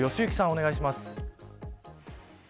お願いします。